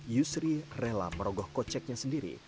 yusri rela merogoh koceknya sendiri